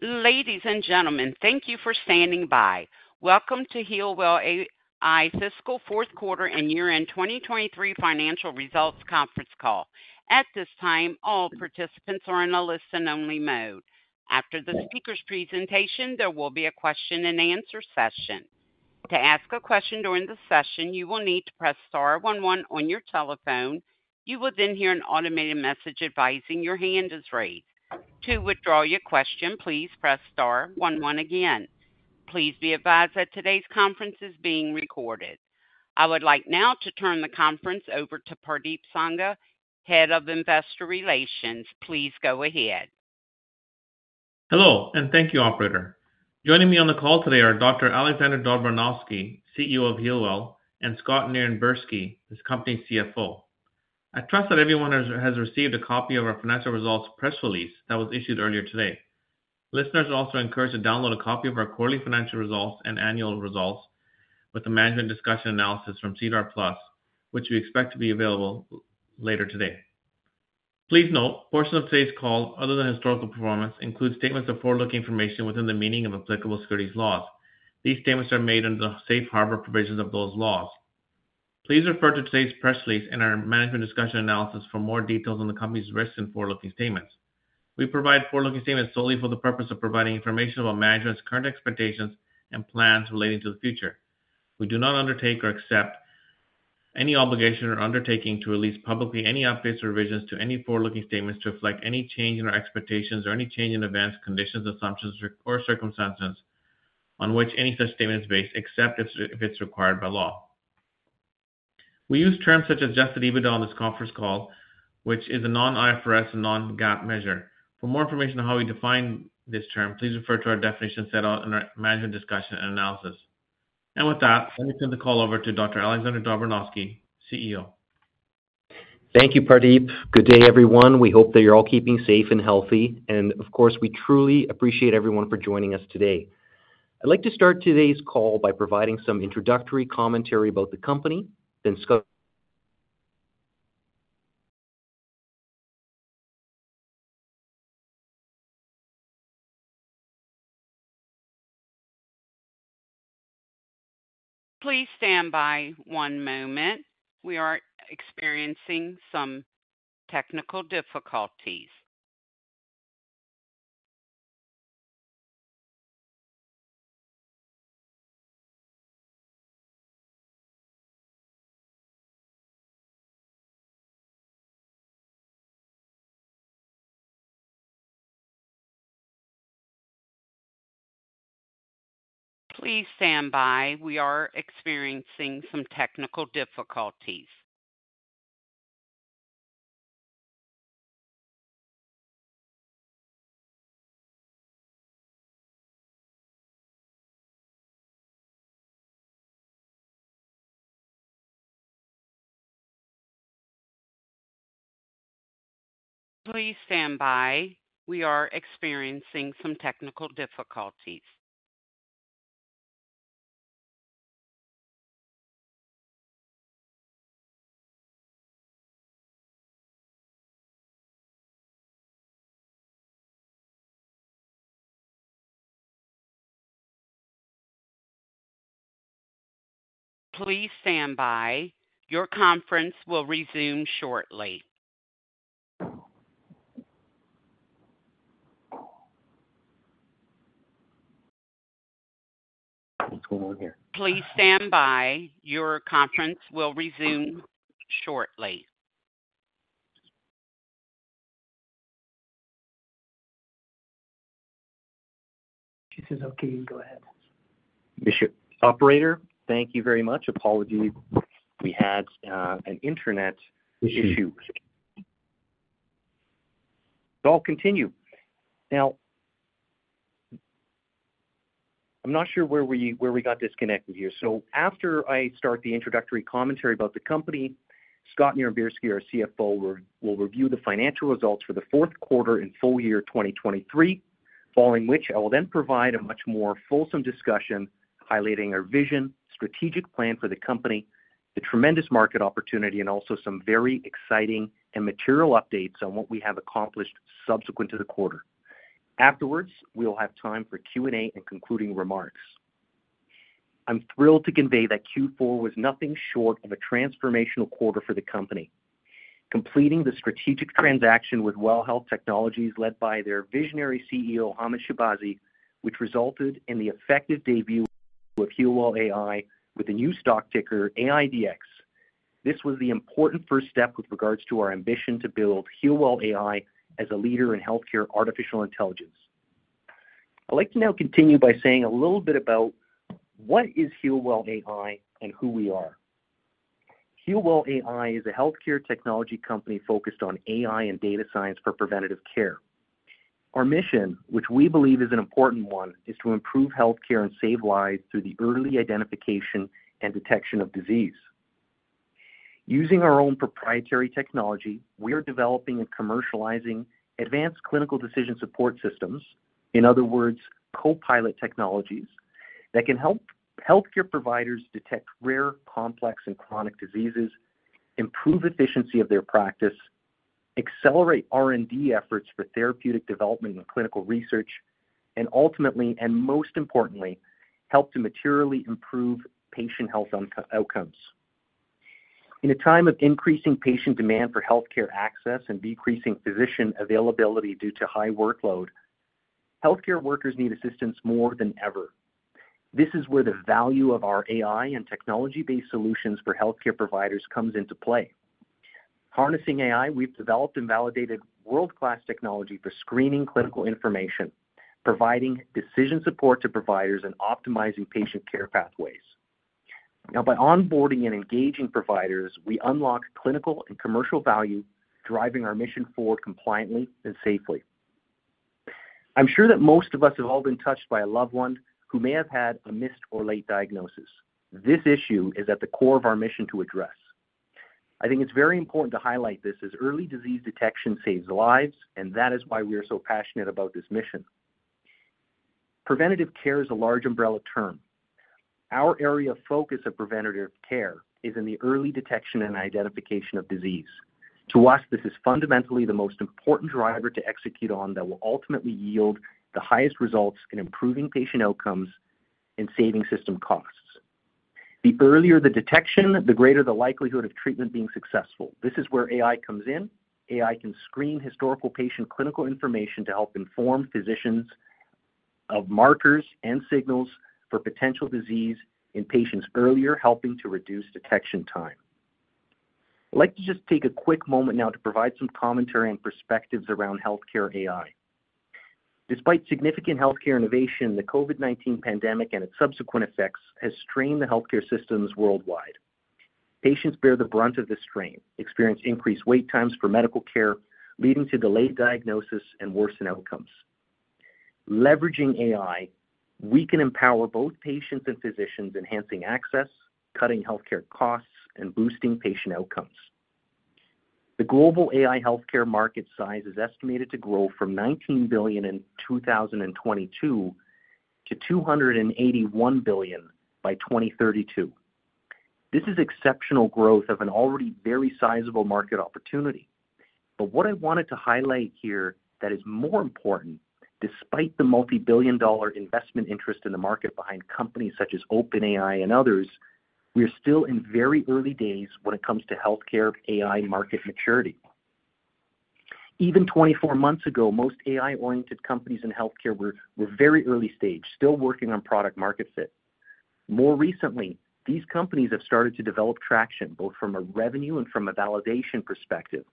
Ladies and gentlemen, thank you for standing by. Welcome to Healwell AI Fiscal Q4 and Year-End 2023 Financial Results Conference Call. At this time, all participants are in a listen-only mode. After the speaker's presentation, there will be a question-and-answer session. To ask a question during the session, you will need to press star one, one on your telephone. You will then hear an automated message advising your hand is raised. To withdraw your question, please press star one, one again. Please be advised that today's conference is being recorded. I would like now to turn the conference over to Pardeep Sangha, Head of Investor Relations. Please go ahead. Hello, and thank you, operator. Joining me on the call today are Dr. Alexander Dobranowski, CEO of Healwell, and Scott Nirenberski, this company's CFO. I trust that everyone has received a copy of our financial results press release that was issued earlier today. Listeners are also encouraged to download a copy of our quarterly financial results and annual results with the management discussion analysis from SEDAR+, which we expect to be available later today. Please note, portions of today's call, other than historical performance, include statements of forward-looking information within the meaning of applicable securities laws. These statements are made under the safe harbor provisions of those laws. Please refer to today's press release and our management discussion analysis for more details on the company's risks and forward-looking statements. We provide forward-looking statements solely for the purpose of providing information about management's current expectations and plans relating to the future. We do not undertake or accept any obligation or undertaking to release publicly any updates or revisions to any forward-looking statements to reflect any change in our expectations or any change in adverse conditions, assumptions, or circumstances on which any such statement is based, except if it's required by law. We use terms such as adjusted EBITDA on this conference call, which is a non-IFRS and non-GAAP measure. For more information on how we define this term, please refer to our definition set out in our management's discussion and analysis. And with that, let me turn the call over to Dr. Alexander Dobranowski, CEO. Thank you, Pardeep. Good day, everyone. We hope that you're all keeping safe and healthy. Of course, we truly appreciate everyone for joining us today. I'd like to start today's call by providing some introductory commentary about the company, then Scott. Please stand by one moment. We are experiencing some technical difficulties. Please stand by. We are experiencing some technical difficulties. Please stand by. We are experiencing some technical difficulties. Please stand by. Your conference will resume shortly. What's going on here? Please stand by. Your conference will resume shortly. She says, "Okay, you can go ahead. Operator, thank you very much. Apologies. We had an internet issue. It'll continue. Now, I'm not sure where we got disconnected here. So after I start the introductory commentary about the company, Scott Nirenberski, our CFO, will review the financial results for the Q4 and full year 2023, following which I will then provide a much more fulsome discussion highlighting our vision, strategic plan for the company, the tremendous market opportunity, and also some very exciting and material updates on what we have accomplished subsequent to the quarter. Afterwards, we'll have time for Q&A and concluding remarks. I'm thrilled to convey that Q4 was nothing short of a transformational quarter for the company, completing the strategic transaction with WELL Health Technologies led by their visionary CEO, Hamed Shahbazi, which resulted in the effective debut of Healwell AI with the new stock ticker AIDX. This was the important first step with regards to our ambition to build Healwell AI as a leader in healthcare artificial intelligence. I'd like to now continue by saying a little bit about what is Healwell AI and who we are. Healwell AI is a healthcare technology company focused on AI and data science for preventative care. Our mission, which we believe is an important one, is to improve healthcare and save lives through the early identification and detection of disease. Using our own proprietary technology, we are developing and commercializing advanced clinical decision support systems, in other words, co-pilot technologies, that can help healthcare providers detect rare, complex, and chronic diseases, improve efficiency of their practice, accelerate R&D efforts for therapeutic development and clinical research, and ultimately, and most importantly, help to materially improve patient health outcomes. In a time of increasing patient demand for healthcare access and decreasing physician availability due to high workload, healthcare workers need assistance more than ever. This is where the value of our AI and technology-based solutions for healthcare providers comes into play. Harnessing AI, we've developed and validated world-class technology for screening clinical information, providing decision support to providers, and optimizing patient care pathways. Now, by onboarding and engaging providers, we unlock clinical and commercial value, driving our mission forward compliantly and safely. I'm sure that most of us have all been touched by a loved one who may have had a missed or late diagnosis. This issue is at the core of our mission to address. I think it's very important to highlight this as early disease detection saves lives, and that is why we are so passionate about this mission. Preventative care is a large umbrella term. Our area of focus of preventative care is in the early detection and identification of disease. To us, this is fundamentally the most important driver to execute on that will ultimately yield the highest results in improving patient outcomes and saving system costs. The earlier the detection, the greater the likelihood of treatment being successful. This is where AI comes in. AI can screen historical patient clinical information to help inform physicians of markers and signals for potential disease in patients earlier, helping to reduce detection time. I'd like to just take a quick moment now to provide some commentary and perspectives around healthcare AI. Despite significant healthcare innovation, the COVID-19 pandemic and its subsequent effects have strained the healthcare systems worldwide. Patients bear the brunt of this strain, experience increased wait times for medical care, leading to delayed diagnosis and worsened outcomes. Leveraging AI, we can empower both patients and physicians, enhancing access, cutting healthcare costs, and boosting patient outcomes. The global AI healthcare market size is estimated to grow from $19 billion in 2022 to $281 billion by 2032. This is exceptional growth of an already very sizable market opportunity. But what I wanted to highlight here that is more important, despite the multibillion-dollar investment interest in the market behind companies such as OpenAI and others, we are still in very early days when it comes to healthcare AI market maturity. Even 24 months ago, most AI-oriented companies in healthcare were very early stage, still working on product-market fit. More recently, these companies have started to develop traction both from a revenue and from a validation perspective.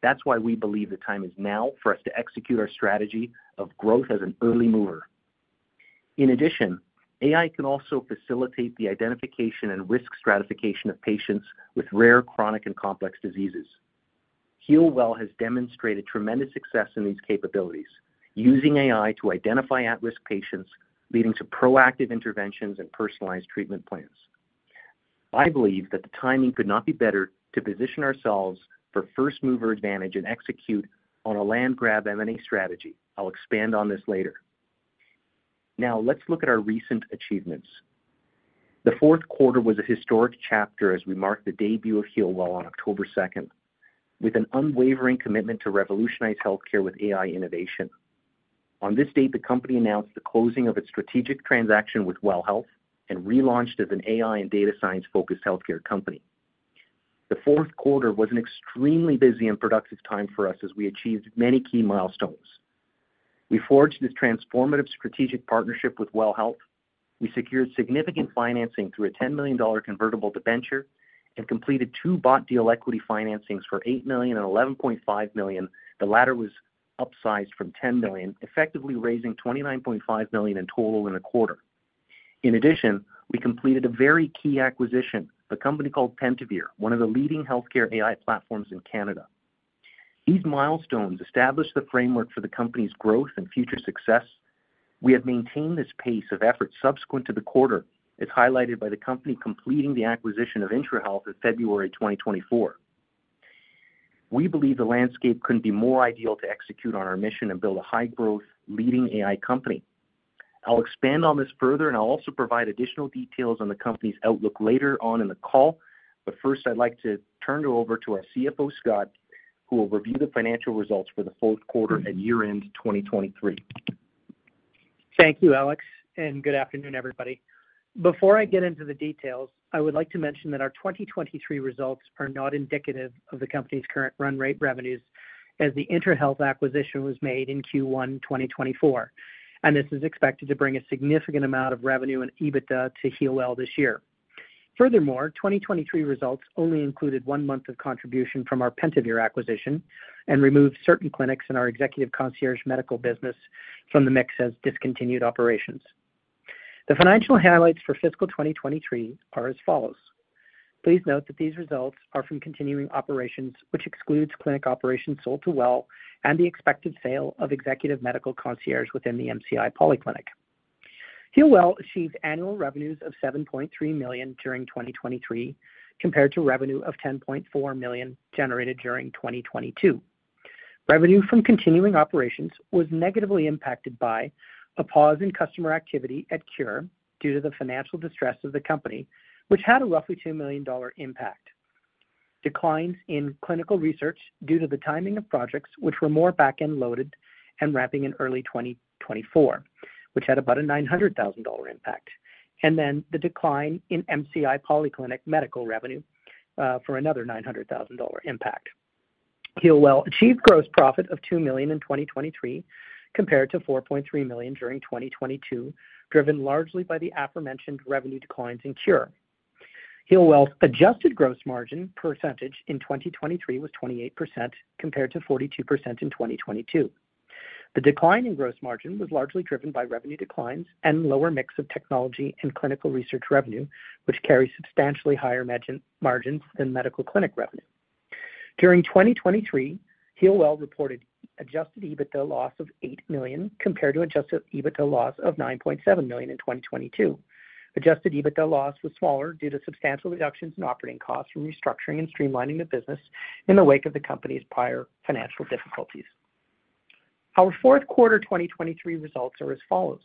That's why we believe the time is now for us to execute our strategy of growth as an early mover. In addition, AI can also facilitate the identification and risk stratification of patients with rare, chronic, and complex diseases. Healwell has demonstrated tremendous success in these capabilities, using AI to identify at-risk patients, leading to proactive interventions and personalized treatment plans. I believe that the timing could not be better to position ourselves for first-mover advantage and execute on a land-grab M&A strategy. I'll expand on this later. Now, let's look at our recent achievements. The Q4 was a historic chapter as we marked the debut of Healwell on 2 October, with an unwavering commitment to revolutionize healthcare with AI innovation. On this date, the company announced the closing of its strategic transaction with WELL Health and relaunched as an AI and data science-focused healthcare company. The Q4 was an extremely busy and productive time for us as we achieved many key milestones. We forged this transformative strategic partnership with WELL Health. We secured significant financing through a 10 million dollar convertible debenture and completed two bought deal equity financings for 8 and 11.5 million. The latter was upsized from 10 million, effectively raising 29.5 million in total in a quarter. In addition, we completed a very key acquisition, the company called Pentavere, one of the leading healthcare AI platforms in Canada. These milestones established the framework for the company's growth and future success. We have maintained this pace of efforts subsequent to the quarter, as highlighted by the company completing the acquisition of IntraHealth in February 2024. We believe the landscape couldn't be more ideal to execute on our mission and build a high-growth, leading AI company. I'll expand on this further, and I'll also provide additional details on the company's outlook later on in the call. But first, I'd like to turn it over to our CFO, Scott, who will review the financial results for the Q4 and year-end 2023. Thank you, Alex, and good afternoon, everybody. Before I get into the details, I would like to mention that our 2023 results are not indicative of the company's current run rate revenues as the IntraHealth acquisition was made in Q1 2024. This is expected to bring a significant amount of revenue and EBITDA to Healwell this year. Furthermore, 2023 results only included one month of contribution from our Pentavere acquisition and removed certain clinics in our executive concierge medical business from the mix as discontinued operations. The financial highlights for fiscal 2023 are as follows. Please note that these results are from continuing operations, which excludes clinic operations sold to WELL and the expected sale of executive medical concierge within the MCI Polyclinic. Healwell achieved annual revenues of 7.3 million during 2023 compared to revenue of 10.4 million generated during 2022. Revenue from continuing operations was negatively impacted by a pause in customer activity at Khure due to the financial distress of the company, which had a roughly 2 million dollar impact, declines in clinical research due to the timing of projects, which were more backend-loaded and wrapping in early 2024, which had about a 900,000 dollar impact, and then the decline in MCI Polyclinic medical revenue for another 900,000 dollar impact. Healwell achieved gross profit of 2 million in 2023 compared to 4.3 million during 2022, driven largely by the aforementioned revenue declines in Khure. Healwell's adjusted gross margin percentage in 2023 was 28% compared to 42% in 2022. The decline in gross margin was largely driven by revenue declines and lower mix of technology and clinical research revenue, which carries substantially higher margins than medical clinic revenue. During 2023, Healwell reported Adjusted EBITDA loss of 8 million compared to Adjusted EBITDA loss of 9.7 million in 2022. Adjusted EBITDA loss was smaller due to substantial reductions in operating costs from restructuring and streamlining the business in the wake of the company's prior financial difficulties. Our Q4 2023 results are as follows.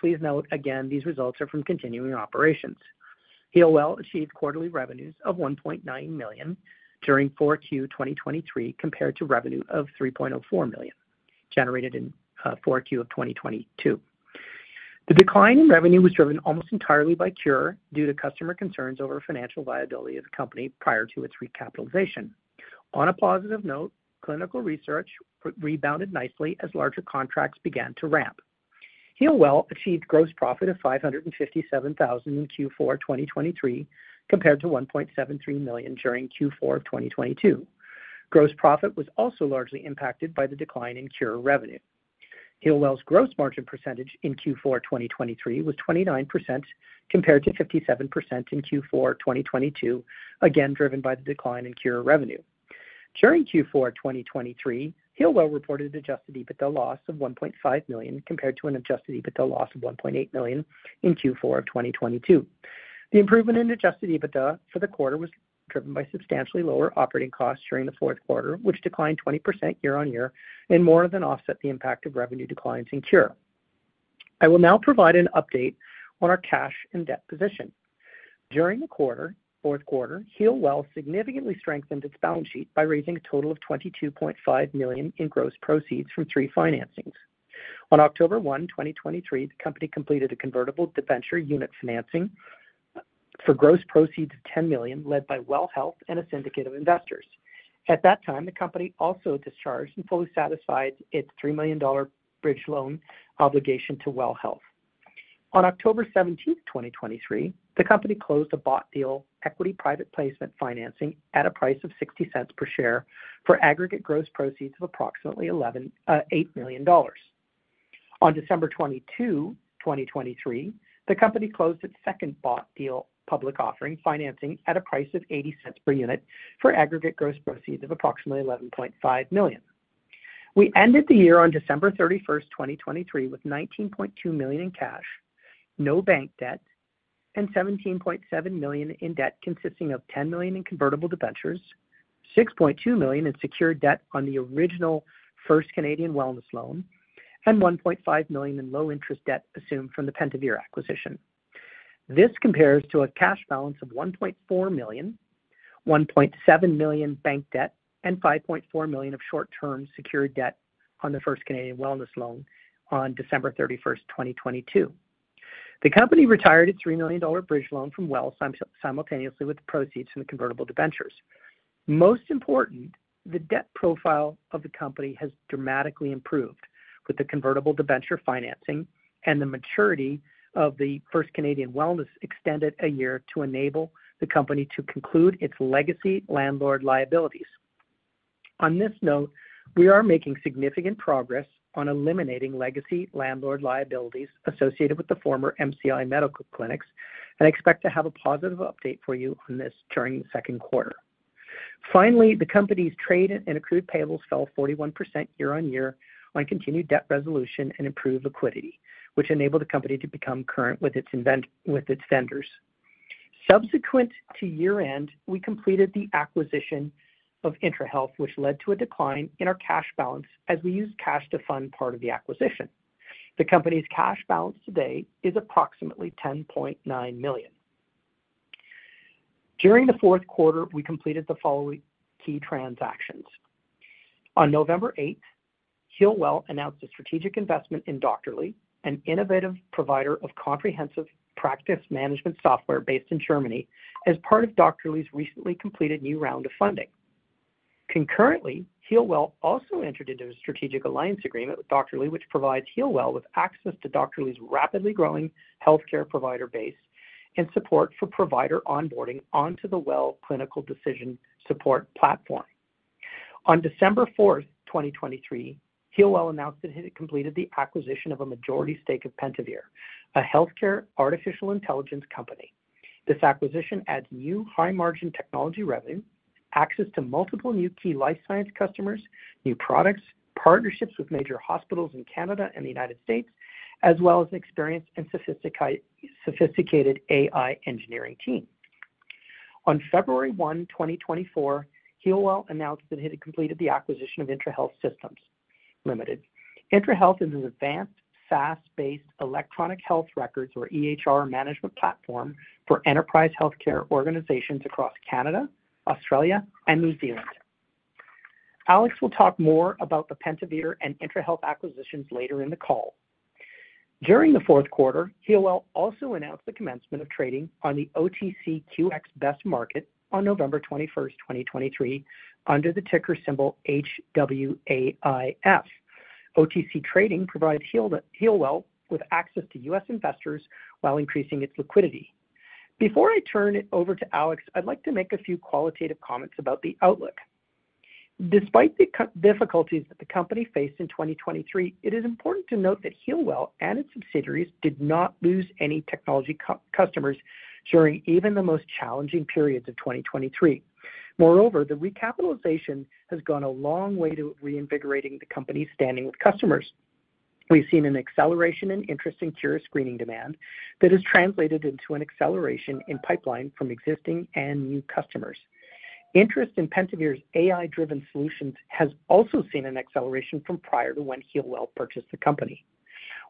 Please note, again, these results are from continuing operations. Healwell achieved quarterly revenues of 1.9 million during Q4 2023 compared to revenue of 3.04 million generated in Q4 of 2022. The decline in revenue was driven almost entirely by Khure due to customer concerns over financial viability of the company prior to its recapitalization. On a positive note, clinical research rebounded nicely as larger contracts began to ramp. Healwell achieved gross profit of 557,000 in Q4 2023 compared to 1.73 million during Q4 of 2022. Gross profit was also largely impacted by the decline in Khure revenue. Healwell's gross margin percentage in Q4 2023 was 29% compared to 57% in Q4 2022, again driven by the decline in Khure revenue. During Q4 2023, Healwell reported adjusted EBITDA loss of 1.5 million compared to an adjusted EBITDA loss of 1.8 million in Q4 of 2022. The improvement in adjusted EBITDA for the quarter was driven by substantially lower operating costs during the Q4, which declined 20% year-over-year and more than offset the impact of revenue declines in Khure. I will now provide an update on our cash and debt position. During the Q4, Healwell significantly strengthened its balance sheet by raising a total of 22.5 million in gross proceeds from three financings. On 1 October 2023, the company completed a convertible debenture unit financing for gross proceeds of 10 million led by WELL Health and a syndicate of investors. At that time, the company also discharged and fully satisfied its 3 million dollar bridge loan obligation to WELL Health. On 17 October 2023, the company closed a bought deal equity private placement financing at a price of 0.60 per share for aggregate gross proceeds of approximately 8 million dollars. On 22 December 2023, the company closed its second bought deal public offering financing at a price of 0.80 per unit for aggregate gross proceeds of approximately 11.5 million. We ended the year on 31 December 2023, with 19.2 million in cash, no bank debt, and 17.7 million in debt consisting of 10 million in convertible debentures, 6.2 million in secured debt on the original First Canadian Wellness Loan, and 1.5 million in low-interest debt assumed from the Pentavere acquisition. This compares to a cash balance of 1.4 million, 1.7 million bank debt, and 5.4 million of short-term secured debt on the First Canadian Wellness Loan on 31 December 2022. The company retired its 3 million dollar bridge loan from WELL Health simultaneously with the proceeds from the convertible debentures. Most important, the debt profile of the company has dramatically improved with the convertible debenture financing, and the maturity of the First Canadian Wellness extended a year to enable the company to conclude its legacy landlord liabilities. On this note, we are making significant progress on eliminating legacy landlord liabilities associated with the former MCI Medical Clinics and expect to have a positive update for you on this during the Q2. Finally, the company's trade and accrued payables fell 41% year-over-year on continued debt resolution and improved liquidity, which enabled the company to become current with its vendors. Subsequent to year-end, we completed the acquisition of IntraHealth, which led to a decline in our cash balance as we used cash to fund part of the acquisition. The company's cash balance today is approximately 10.9 million. During the Q4, we completed the following key transactions. On November 8th, Healwell announced a strategic investment in Doctorly, an innovative provider of comprehensive practice management software based in Germany, as part of Doctorly's recently completed new round of funding. Concurrently, Healwell also entered into a strategic alliance agreement with Doctorly, which provides Healwell with access to Doctorly's rapidly growing healthcare provider base and support for provider onboarding onto the WELL Clinical Decision Support Platform. On 4 December 2023, Healwell announced that it had completed the acquisition of a majority stake of Pentavere, a healthcare artificial intelligence company. This acquisition adds new high-margin technology revenue, access to multiple new key life science customers, new products, partnerships with major hospitals in Canada and the United States, as well as an experienced and sophisticated AI engineering team. On February 1, 2024, Healwell announced that it had completed the acquisition of IntraHealth Systems Limited. IntraHealth is an advanced SaaS-based electronic health records, or EHR, management platform for enterprise healthcare organizations across Canada, Australia, and New Zealand. Alex will talk more about the Pentavere and IntraHealth acquisitions later in the call. During the Q4, Healwell also announced the commencement of trading on the OTCQX Best Market on 21 November 2023, under the ticker symbol HWAIF. OTC trading provided Healwell with access to US investors while increasing its liquidity. Before I turn it over to Alex, I'd like to make a few qualitative comments about the outlook. Despite the difficulties that the company faced in 2023, it is important to note that Healwell and its subsidiaries did not lose any technology customers during even the most challenging periods of 2023. Moreover, the recapitalization has gone a long way to reinvigorating the company's standing with customers. We've seen an acceleration in interest in Khure screening demand that has translated into an acceleration in pipeline from existing and new customers. Interest in Pentavere's AI-driven solutions has also seen an acceleration from prior to when Healwell purchased the company.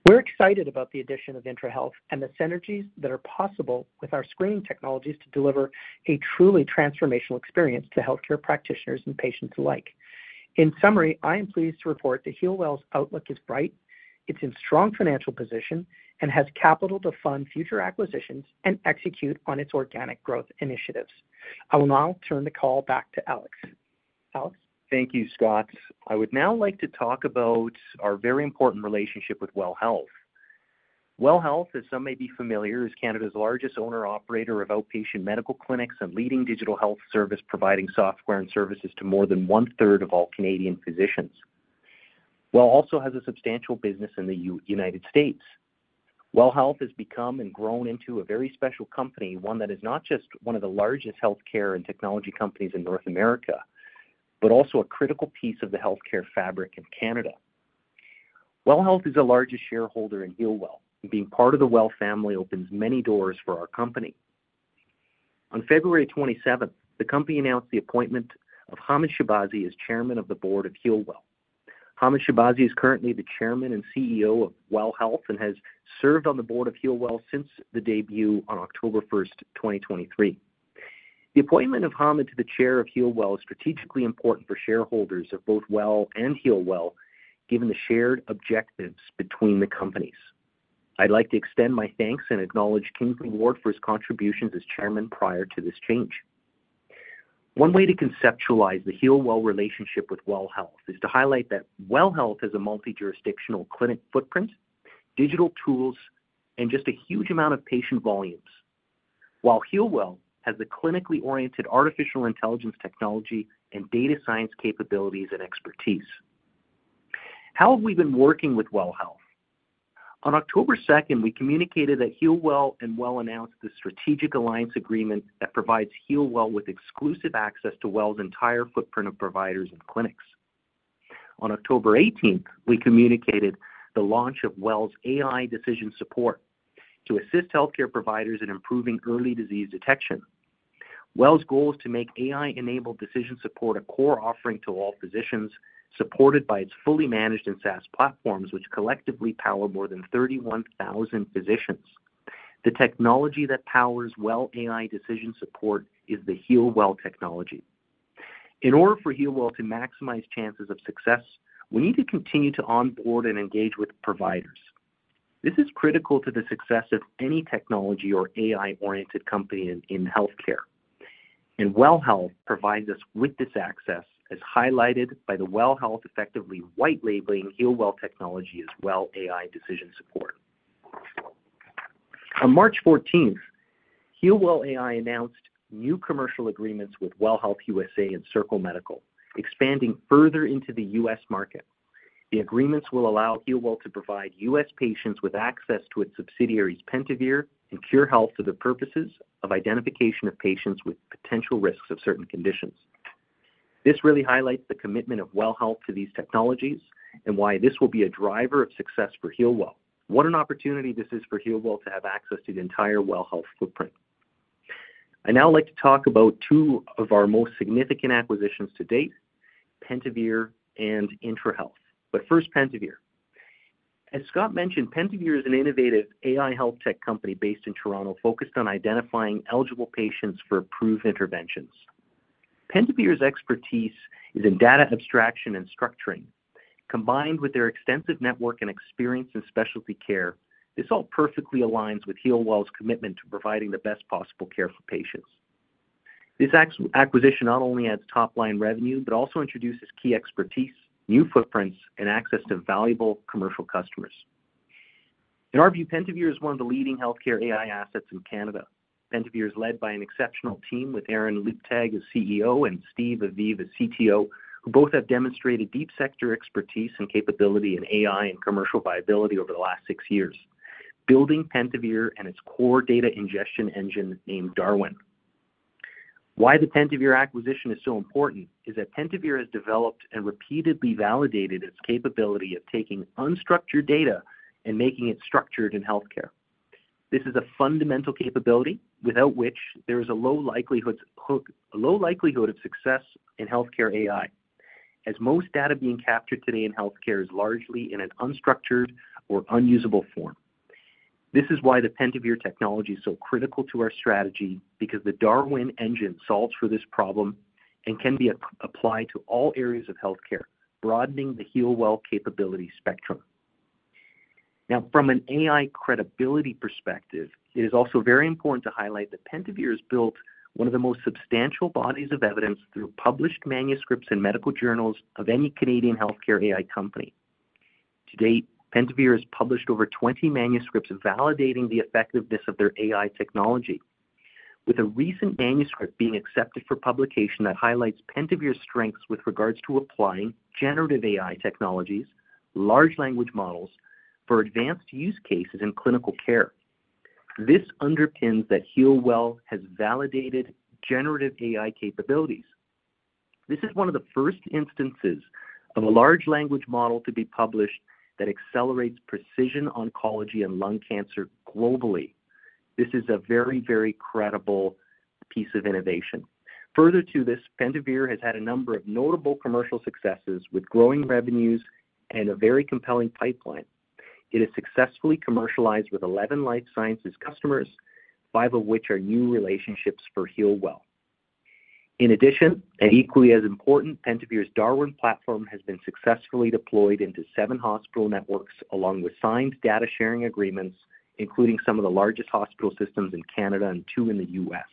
We're excited about the addition of IntraHealth and the synergies that are possible with our screening technologies to deliver a truly transformational experience to healthcare practitioners and patients alike. In summary, I am pleased to report that Healwell's outlook is bright, it's in strong financial position, and has capital to fund future acquisitions and execute on its organic growth initiatives. I will now turn the call back to Alex. Alex? Thank you, Scott. I would now like to talk about our very important relationship with WELL Health. WELL Health, as some may be familiar, is Canada's largest owner-operator of outpatient medical clinics and leading digital health service providing software and services to more than one-third of all Canadian physicians. WELL also has a substantial business in the United States. WELL Health has become and grown into a very special company, one that is not just one of the largest healthcare and technology companies in North America, but also a critical piece of the healthcare fabric in Canada. WELL Health is the largest shareholder in Healwell. Being part of the WELL family opens many doors for our company. On 27 February, the company announced the appointment of Hamed Shahbazi as Chairman of the Board of Healwell. Hamed Shahbazi is currently the chairman and CEO of WELL Health and has served on the board of Healwell since the debut on 1 October 2023. The appointment of Hamed to the chair of Healwell is strategically important for shareholders of both WELL and Healwell given the shared objectives between the companies. I'd like to extend my thanks and acknowledge Kingsley Ward for his contributions as chairman prior to this change. One way to conceptualize the Healwell relationship with WELL Health is to highlight that WELL Health has a multi-jurisdictional clinic footprint, digital tools, and just a huge amount of patient volumes, while Healwell has the clinically oriented artificial intelligence technology and data science capabilities and expertise. How have we been working with WELL Health? On 2 October, we communicated that Healwell and WELL announced the strategic alliance agreement that provides Healwell with exclusive access to WELL's entire footprint of providers and clinics. On 18 October, we communicated the launch of WELL's AI decision support to assist healthcare providers in improving early disease detection. WELL's goal is to make AI-enabled decision support a core offering to all physicians, supported by its fully managed and SaaS platforms, which collectively power more than 31,000 physicians. The technology that powers WELL AI decision support is the Healwell technology. In order for Healwell to maximize chances of success, we need to continue to onboard and engage with providers. This is critical to the success of any technology or AI-oriented company in healthcare. WELL Health provides us with this access, as highlighted by WELL Health effectively white-labeling Healwell technology as WELL AI decision support. On March 14th, Healwell AI announced new commercial agreements with WELL Health USA and Circle Medical, expanding further into the U.S. market. The agreements will allow Healwell to provide US patients with access to its subsidiaries Pentavere and Khure Health for the purposes of identification of patients with potential risks of certain conditions. This really highlights the commitment of WELL Health to these technologies and why this will be a driver of success for Healwell. What an opportunity this is for Healwell to have access to the entire WELL Health footprint. I now like to talk about two of our most significant acquisitions to date: Pentavere and IntraHealth. But first, Pentavere. As Scott mentioned, Pentavere is an innovative AI health tech company based in Toronto focused on identifying eligible patients for approved interventions. Pentavere's expertise is in data abstraction and structuring. Combined with their extensive network and experience in specialty care, this all perfectly aligns with Healwell's commitment to providing the best possible care for patients. This acquisition not only adds top-line revenue but also introduces key expertise, new footprints, and access to valuable commercial customers. In our view, Pentavere is one of the leading healthcare AI assets in Canada. Pentavere is led by an exceptional team with Aaron Leibtag as CEO and Steven Avivi as CTO, who both have demonstrated deep sector expertise and capability in AI and commercial viability over the last six years, building Pentavere and its core data ingestion engine named DARWEN. Why the Pentavere acquisition is so important is that Pentavere has developed and repeatedly validated its capability of taking unstructured data and making it structured in healthcare. This is a fundamental capability without which there is a low likelihood of success in healthcare AI, as most data being captured today in healthcare is largely in an unstructured or unusable form. This is why the Pentavere technology is so critical to our strategy, because the DARWEN engine solves for this problem and can be applied to all areas of healthcare, broadening the Healwell capability spectrum. Now, from an AI credibility perspective, it is also very important to highlight that Pentavere has built one of the most substantial bodies of evidence through published manuscripts and medical journals of any Canadian healthcare AI company. To date, Pentavere has published over 20 manuscripts validating the effectiveness of their AI technology, with a recent manuscript being accepted for publication that highlights Pentavere's strengths with regards to applying generative AI technologies, large language models, for advanced use cases in clinical care. This underpins that Healwell has validated generative AI capabilities. This is one of the first instances of a large language model to be published that accelerates precision oncology and lung cancer globally. This is a very, very credible piece of innovation. Further to this, Pentavere has had a number of notable commercial successes with growing revenues and a very compelling pipeline. It has successfully commercialized with 11 life sciences customers, five of which are new relationships for Healwell. In addition, an equally as important Pentavere's DARWEN platform has been successfully deployed into seven hospital networks along with signed data-sharing agreements, including some of the largest hospital systems in Canada and two in the US.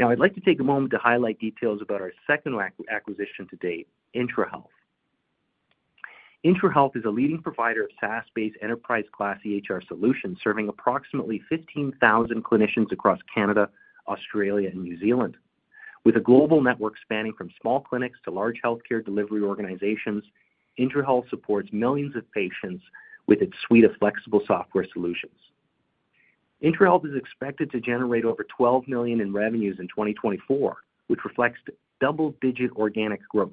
Now, I'd like to take a moment to highlight details about our second acquisition to date, IntraHealth. IntraHealth is a leading provider of SaaS-based enterprise-class EHR solutions serving approximately 15,000 clinicians across Canada, Australia, and New Zealand. With a global network spanning from small clinics to large healthcare delivery organizations, IntraHealth supports millions of patients with its suite of flexible software solutions. IntraHealth is expected to generate over 12 million in revenues in 2024, which reflects double-digit organic growth.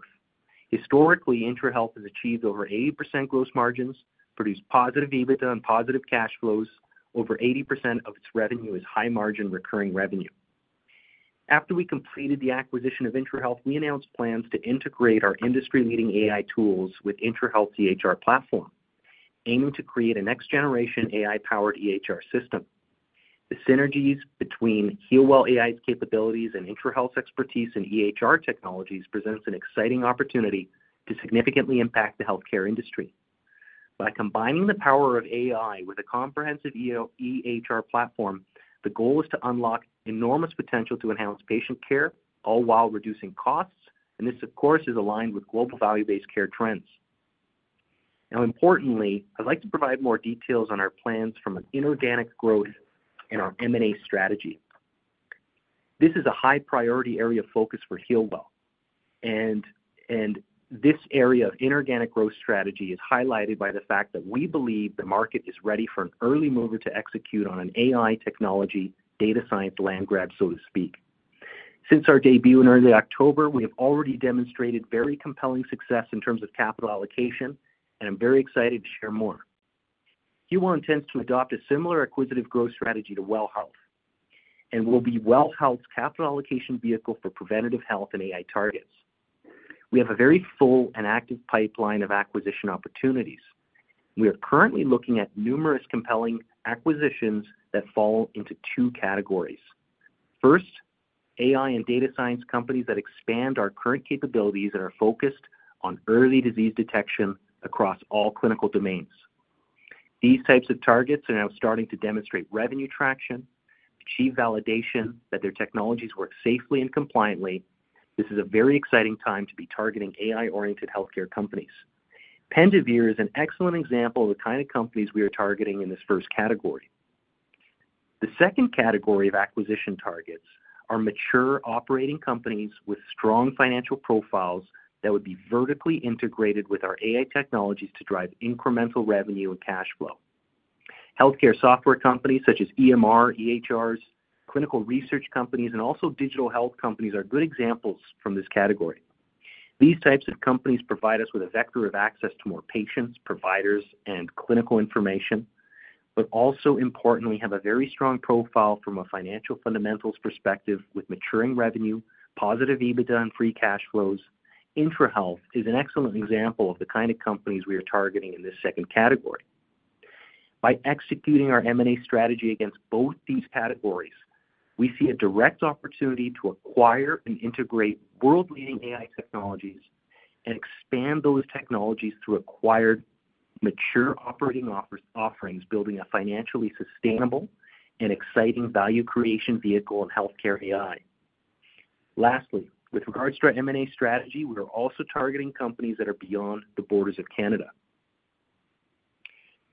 Historically, IntraHealth has achieved over 80% gross margins, produced positive EBITDA and positive cash flows. Over 80% of its revenue is high-margin recurring revenue. After we completed the acquisition of IntraHealth, we announced plans to integrate our industry-leading AI tools with IntraHealth's EHR platform, aiming to create a next-generation AI-powered EHR system. The synergies between Healwell AI's capabilities and IntraHealth's expertise in EHR technologies present an exciting opportunity to significantly impact the healthcare industry. By combining the power of AI with a comprehensive EHR platform, the goal is to unlock enormous potential to enhance patient care all while reducing costs, and this, of course, is aligned with global value-based care trends. Now, importantly, I'd like to provide more details on our plans from an inorganic growth and our M&A strategy. This is a high-priority area of focus for Healwell. This area of inorganic growth strategy is highlighted by the fact that we believe the market is ready for an early mover to execute on an AI technology data science land grab, so to speak. Since our debut in early October, we have already demonstrated very compelling success in terms of capital allocation, and I'm very excited to share more. Healwell intends to adopt a similar acquisitive growth strategy to WELL Health and will be WELL Health's capital allocation vehicle for preventative health and AI targets. We have a very full and active pipeline of acquisition opportunities. We are currently looking at numerous compelling acquisitions that fall into two categories. First, AI and data science companies that expand our current capabilities and are focused on early disease detection across all clinical domains. These types of targets are now starting to demonstrate revenue traction, achieve validation that their technologies work safely and compliantly. This is a very exciting time to be targeting AI-oriented healthcare companies. Pentavere is an excellent example of the kind of companies we are targeting in this first category. The second category of acquisition targets are mature operating companies with strong financial profiles that would be vertically integrated with our AI technologies to drive incremental revenue and cash flow. Healthcare software companies such as EMR, EHRs, clinical research companies, and also digital health companies are good examples from this category. These types of companies provide us with a vector of access to more patients, providers, and clinical information, but also, importantly, have a very strong profile from a financial fundamentals perspective with maturing revenue, positive EBITDA, and free cash flows. IntraHealth is an excellent example of the kind of companies we are targeting in this second category. By executing our M&A strategy against both these categories, we see a direct opportunity to acquire and integrate world-leading AI technologies and expand those technologies through acquired mature operating offerings, building a financially sustainable and exciting value creation vehicle in healthcare AI. Lastly, with regards to our M&A strategy, we are also targeting companies that are beyond the borders of Canada.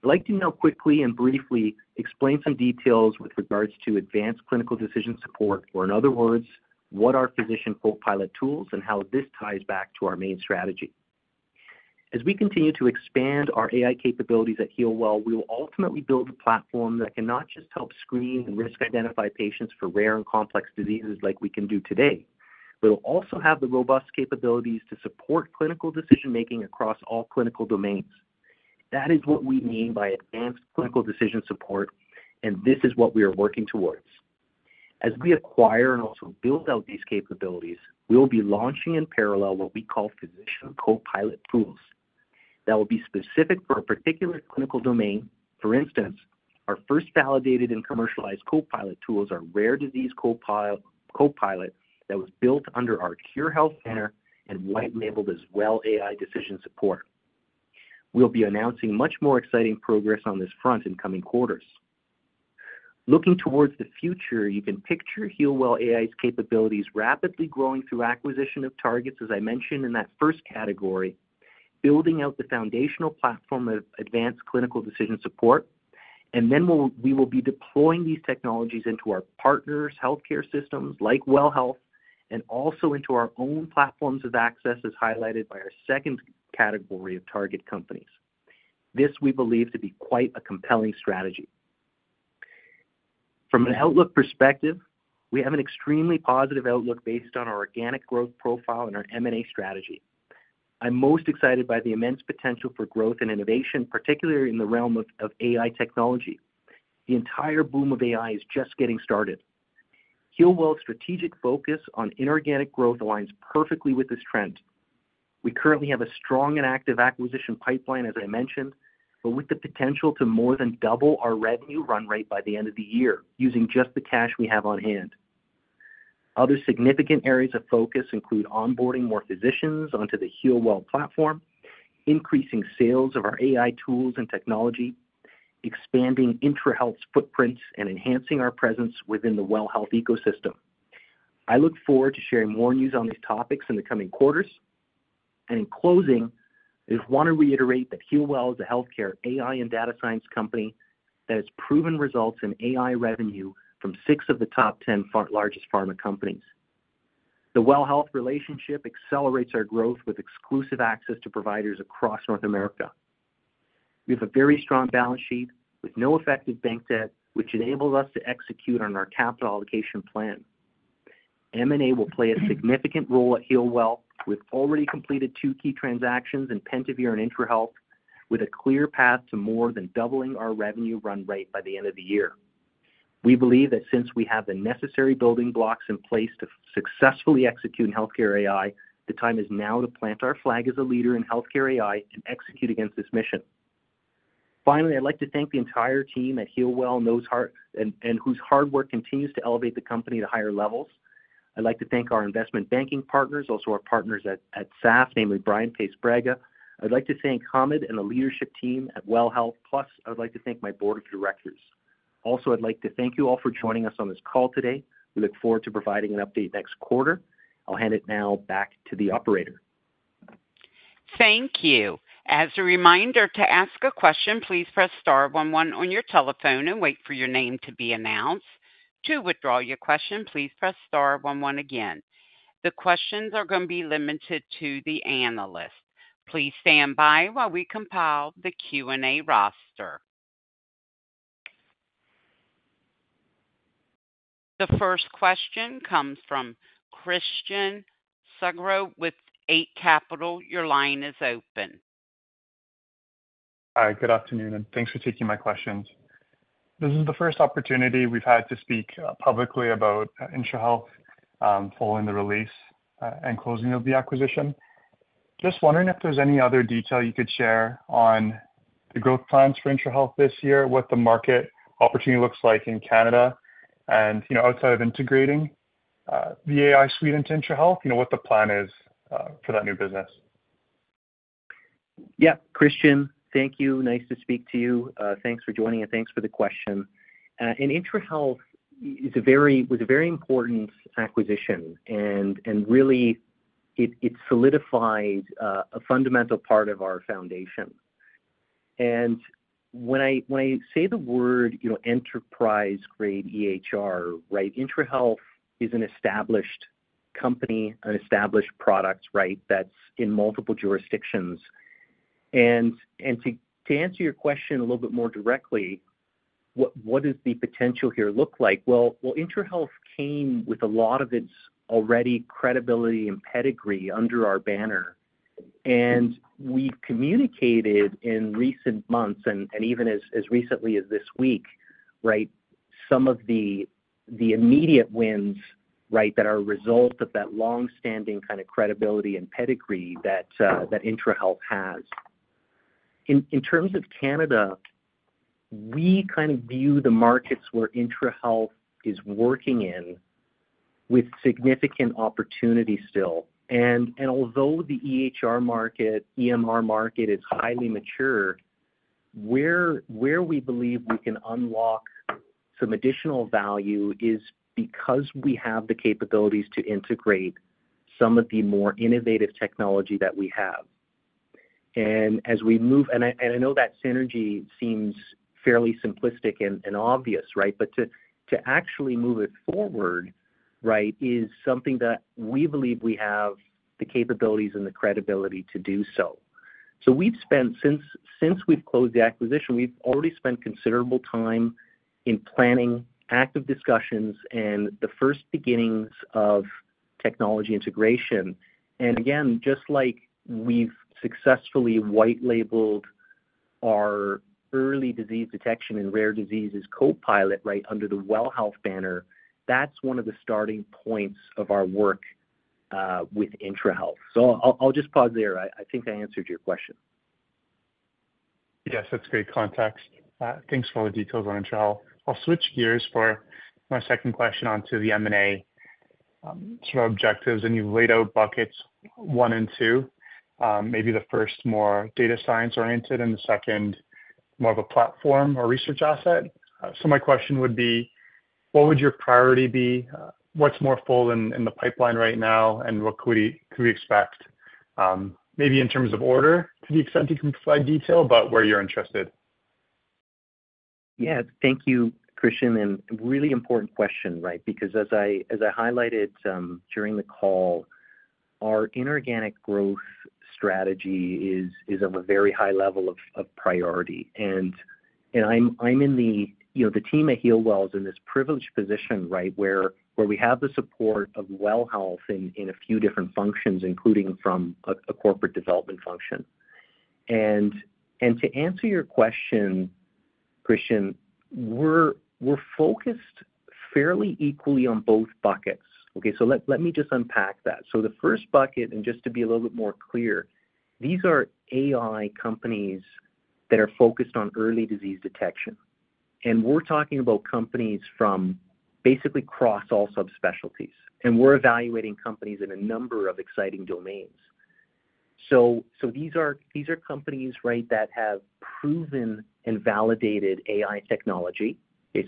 I'd like to now quickly and briefly explain some details with regards to advanced clinical decision support, or in other words, what our physician co-pilot tools and how this ties back to our main strategy. As we continue to expand our AI capabilities at Healwell, we will ultimately build a platform that can not just help screen and risk identify patients for rare and complex diseases like we can do today, but it will also have the robust capabilities to support clinical decision-making across all clinical domains. That is what we mean by advanced clinical decision support, and this is what we are working towards. As we acquire and also build out these capabilities, we will be launching in parallel what we call physician co-pilot tools that will be specific for a particular clinical domain. For instance, our first validated and commercialized co-pilot tools are rare disease co-pilot that was built under our Khure Health and white-labeled as WELL AI Decision Support. We'll be announcing much more exciting progress on this front in coming quarters. Looking towards the future, you can picture Healwell AI's capabilities rapidly growing through acquisition of targets, as I mentioned in that first category, building out the foundational platform of advanced clinical decision support, and then we will be deploying these technologies into our partners' healthcare systems like WELL Health and also into our own platforms of access as highlighted by our second category of target companies. This we believe to be quite a compelling strategy. From an outlook perspective, we have an extremely positive outlook based on our organic growth profile and our M&A strategy. I'm most excited by the immense potential for growth and innovation, particularly in the realm of AI technology. The entire boom of AI is just getting started. Healwell's strategic focus on inorganic growth aligns perfectly with this trend. We currently have a strong and active acquisition pipeline, as I mentioned, but with the potential to more than double our revenue run rate by the end of the year using just the cash we have on hand. Other significant areas of focus include onboarding more physicians onto the Healwell platform, increasing sales of our AI tools and technology, expanding IntraHealth's footprints, and enhancing our presence within the WELL Health ecosystem. I look forward to sharing more news on these topics in the coming quarters. In closing, I just want to reiterate that Healwell is a healthcare AI and data science company that has proven results in AI revenue from 6 of the top 10 largest pharma companies. The WELL Health relationship accelerates our growth with exclusive access to providers across North America. We have a very strong balance sheet with no effective bank debt, which enables us to execute on our capital allocation plan. M&A will play a significant role at Healwell with already completed two key transactions in Pentavere and IntraHealth with a clear path to more than doubling our revenue run rate by the end of the year. We believe that since we have the necessary building blocks in place to successfully execute in healthcare AI, the time is now to plant our flag as a leader in healthcare AI and execute against this mission. Finally, I'd like to thank the entire team at Healwell whose hard work continues to elevate the company to higher levels. I'd like to thank our investment banking partners, also our partners at SAF, namely Brian Paes-Braga. I'd like to thank Hamed and the leadership team at WELL Health, plus I'd like to thank my board of directors. Also, I'd like to thank you all for joining us on this call today. We look forward to providing an update next quarter. I'll hand it now back to the operator. Thank you. As a reminder, to ask a question, please press star one, one on your telephone and wait for your name to be announced. To withdraw your question, please press star one, one again. The questions are going to be limited to the analyst. Please stand by while we compile the Q&A roster. The first question comes from Christian Sgro with Eight Capital. Your line is open. Hi. Good afternoon, and thanks for taking my questions. This is the first opportunity we've had to speak publicly about IntraHealth following the release and closing of the acquisition. Just wondering if there's any other detail you could share on the growth plans for IntraHealth this year, what the market opportunity looks like in Canada, and outside of integrating the AI suite into IntraHealth, what the plan is for that new business. Yep. Christian, thank you. Nice to speak to you. Thanks for joining, and thanks for the question. IntraHealth was a very important acquisition, and really, it solidified a fundamental part of our foundation. When I say the word enterprise-grade EHR, IntraHealth is an established company, an established product that's in multiple jurisdictions. To answer your question a little bit more directly, what does the potential here look like? Well, IntraHealth came with a lot of its already credibility and pedigree under our banner, and we've communicated in recent months and even as recently as this week some of the immediate wins that are a result of that longstanding kind of credibility and pedigree that IntraHealth has. In terms of Canada, we kind of view the markets where IntraHealth is working in with significant opportunity still. Although the EHR market, EMR market is highly mature, where we believe we can unlock some additional value is because we have the capabilities to integrate some of the more innovative technology that we have. As we move and I know that synergy seems fairly simplistic and obvious, but to actually move it forward is something that we believe we have the capabilities and the credibility to do so. Since we've closed the acquisition, we've already spent considerable time in planning active discussions and the first beginnings of technology integration. Again, just like we've successfully white-labeled our early disease detection and rare diseases co-pilot under the WELL Health banner, that's one of the starting points of our work with IntraHealth. I'll just pause there. I think I answered your question. Yes. That's great context. Thanks for all the details on IntraHealth. I'll switch gears for my second question onto the M&A sort of objectives. And you've laid out buckets one and two, maybe the first more data science-oriented and the second more of a platform or research asset. So my question would be, what would your priority be? What's more full in the pipeline right now, and what could we expect? Maybe in terms of order to the extent you can provide detail, but where you're interested. Yeah. Thank you, Christian. And really important question because, as I highlighted during the call, our inorganic growth strategy is of a very high level of priority. And the team at Healwell is in this privileged position where we have the support of WELL Health in a few different functions, including from a corporate development function. And to answer your question, Christian, we're focused fairly equally on both buckets. Okay? So let me just unpack that. So the first bucket, and just to be a little bit more clear, these are AI companies that are focused on early disease detection. And we're talking about companies from basically cross all subspecialties, and we're evaluating companies in a number of exciting domains. So these are companies that have proven and validated AI technology,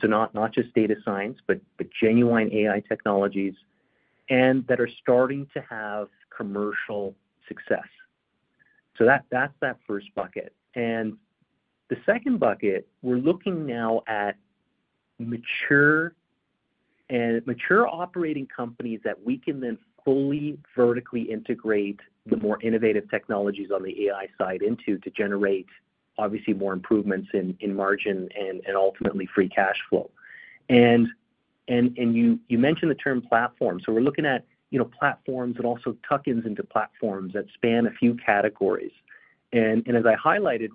so not just data science but genuine AI technologies, and that are starting to have commercial success. So that's that first bucket. And the second bucket, we're looking now at mature operating companies that we can then fully vertically integrate the more innovative technologies on the AI side into to generate, obviously, more improvements in margin and ultimately free cash flow. And you mentioned the term platform. So we're looking at platforms and also tuck-ins into platforms that span a few categories. And as I highlighted,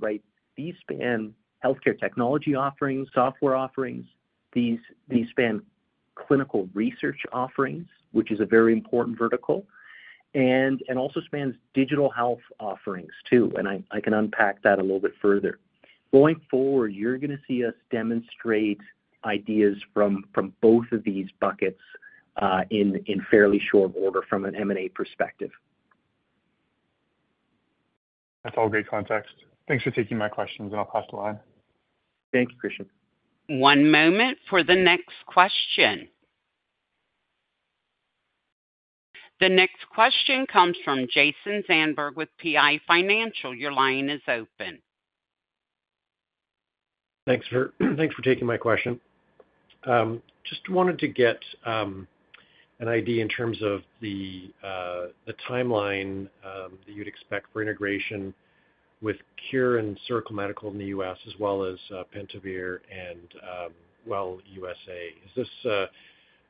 these span healthcare technology offerings, software offerings. These span clinical research offerings, which is a very important vertical, and also spans digital health offerings too. And I can unpack that a little bit further. Going forward, you're going to see us demonstrate ideas from both of these buckets in fairly short order from an M&A perspective. That's all great context. Thanks for taking my questions, and I'll pass the line. Thank you, Christian. One moment for the next question. The next question comes from Jason Zandberg with PI Financial. Your line is open. Thanks for taking my question. Just wanted to get an idea in terms of the timeline that you'd expect for integration with Khure and Circle Medical in the US as well as Pentavere and WELL Health USA. Is this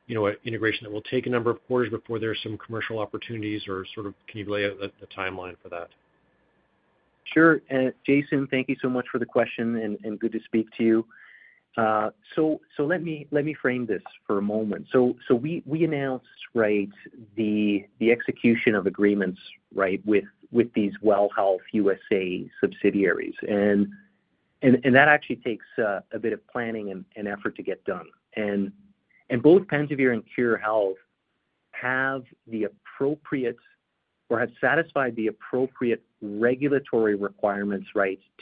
an integration that will take a number of quarters before there are some commercial opportunities, or sort of can you lay out the timeline for that? Sure. Jason, thank you so much for the question, and good to speak to you. So let me frame this for a moment. We announced the execution of agreements with these WELL Health USA subsidiaries, and that actually takes a bit of planning and effort to get done. Both Pentavere and Khure Health have the appropriate or have satisfied the appropriate regulatory requirements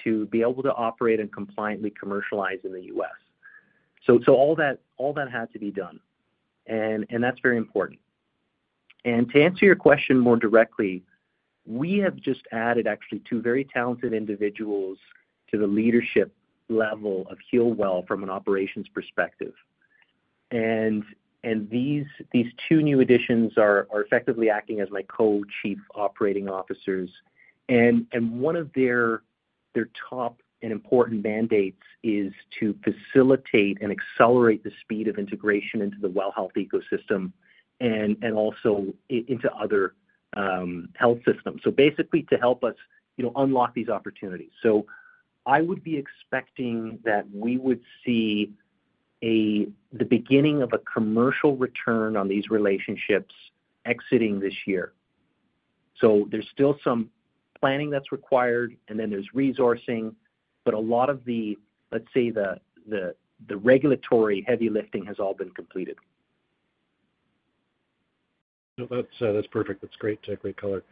to be able to operate and compliantly commercialize in the US. All that had to be done, and that's very important. To answer your question more directly, we have just added, actually, two very talented individuals to the leadership level of Healwell from an operations perspective. These two new additions are effectively acting as my co-chief operating officers. One of their top and important mandates is to facilitate and accelerate the speed of integration into the WELL Health ecosystem and also into other health systems, so basically to help us unlock these opportunities. I would be expecting that we would see the beginning of a commercial return on these relationships exiting this year. There's still some planning that's required, and then there's resourcing, but a lot of the, let's say, the regulatory heavy lifting has all been completed. No, that's perfect. That's great color.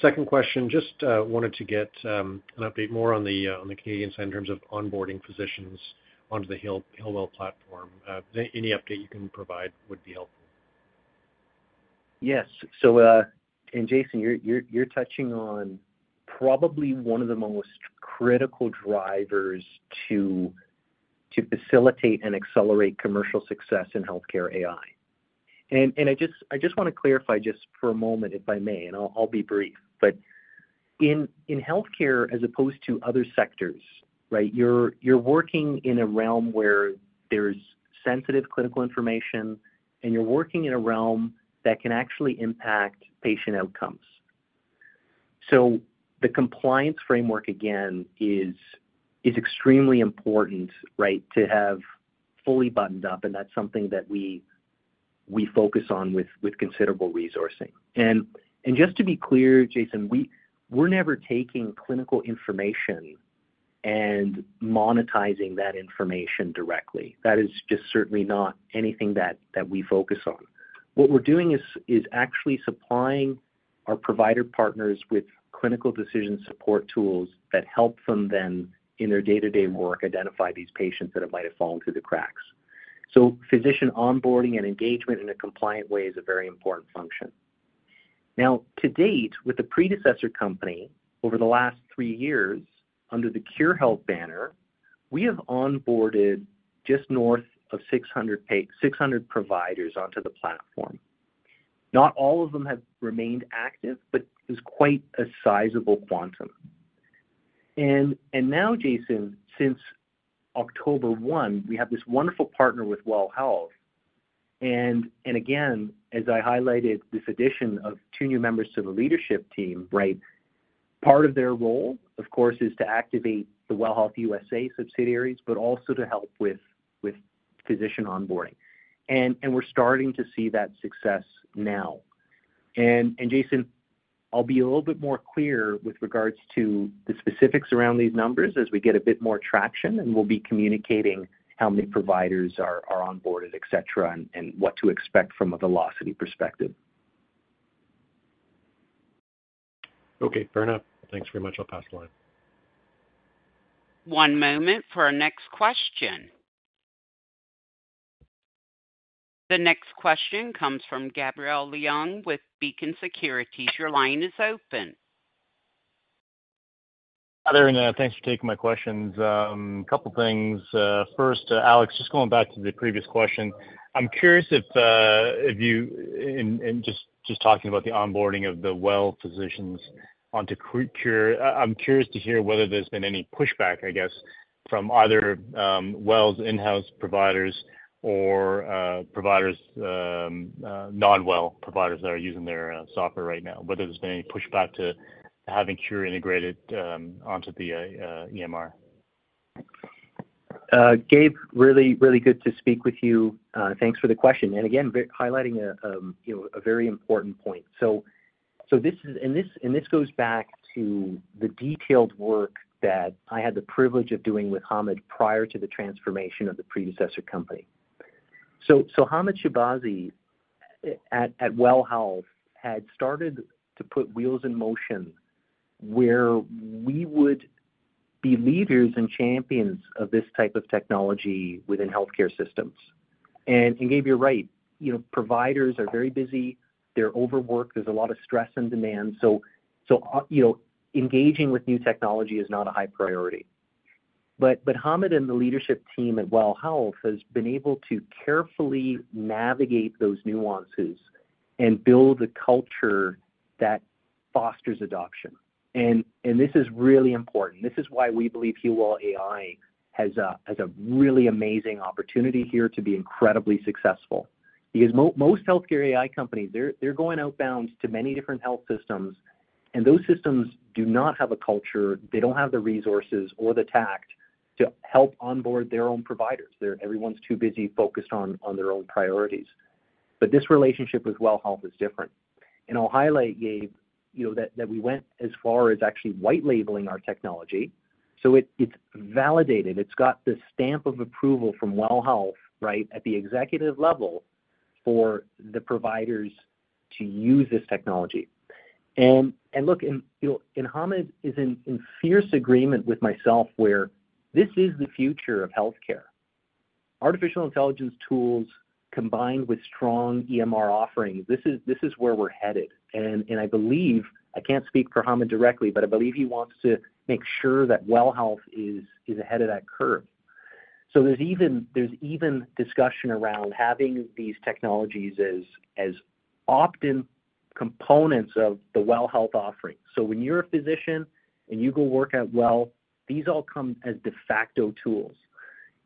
Second question, just wanted to get an update more on the Canadian side in terms of onboarding physicians onto the Healwell platform. Any update you can provide would be helpful. Yes. And Jason, you're touching on probably one of the most critical drivers to facilitate and accelerate commercial success in healthcare AI. And I just want to clarify just for a moment, if I may, and I'll be brief. But in healthcare, as opposed to other sectors, you're working in a realm where there's sensitive clinical information, and you're working in a realm that can actually impact patient outcomes. So the compliance framework, again, is extremely important to have fully buttoned up, and that's something that we focus on with considerable resourcing. And just to be clear, Jason, we're never taking clinical information and monetizing that information directly. That is just certainly not anything that we focus on. What we're doing is actually supplying our provider partners with clinical decision support tools that help them then in their day-to-day work identify these patients that might have fallen through the cracks. So physician onboarding and engagement in a compliant way is a very important function. Now, to date, with the predecessor company over the last three years under the Khure Health banner, we have onboarded just north of 600 providers onto the platform. Not all of them have remained active, but it was quite a sizable quantum. And now, Jason, since 1 October, we have this wonderful partner with WELL Health. And again, as I highlighted, this addition of two new members to the leadership team, part of their role, of course, is to activate the WELL Health USA subsidiaries but also to help with physician onboarding. And we're starting to see that success now. Jason, I'll be a little bit more clear with regards to the specifics around these numbers as we get a bit more traction, and we'll be communicating how many providers are onboarded, etc., and what to expect from a velocity perspective. Okay. Fair enough. Thanks very much. I'll pass the line. One moment for our next question. The next question comes from Gabriel Leung with Beacon Securities. Your line is open. Hi there, and thanks for taking my questions. A couple of things. First, Alex, just going back to the previous question, I'm curious if you and just talking about the onboarding of the WELL physicians onto Khure, I'm curious to hear whether there's been any pushback, I guess, from either WELL's in-house providers or non-WELL providers that are using their software right now, whether there's been any pushback to having Khure integrated onto the EMR. Gabe, really, really good to speak with you. Thanks for the question. Again, highlighting a very important point. This goes back to the detailed work that I had the privilege of doing with Hamed prior to the transformation of the predecessor company. Hamed Shahbazi at WELL Health had started to put wheels in motion where we would be leaders and champions of this type of technology within healthcare systems. Gabe, you're right. Providers are very busy. They're overworked. There's a lot of stress and demand. Engaging with new technology is not a high priority. But Hamed and the leadership team at WELL Health has been able to carefully navigate those nuances and build a culture that fosters adoption. This is really important. This is why we believe Healwell AI has a really amazing opportunity here to be incredibly successful because most healthcare AI companies, they're going outbound to many different health systems, and those systems do not have a culture. They don't have the resources or the tact to help onboard their own providers. Everyone's too busy focused on their own priorities. But this relationship with WELL Health is different. And I'll highlight, Gabe, that we went as far as actually white-labeling our technology. So it's validated. It's got the stamp of approval from WELL Health at the executive level for the providers to use this technology. And look, and Hamed is in fierce agreement with myself where this is the future of healthcare. Artificial intelligence tools combined with strong EMR offerings, this is where we're headed. I can't speak for Hamed directly, but I believe he wants to make sure that WELL Health is ahead of that curve. There's even discussion around having these technologies as often components of the WELL Health offering. When you're a physician and you go work at WELL, these all come as de facto tools.